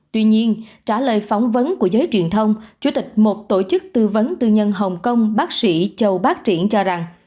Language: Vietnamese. tuy nhiên trả lời phỏng vấn của giới truyền thông chủ tịch một tổ chức tư vấn tư nhân hồng kông bác sĩ châu bác triển cho rằng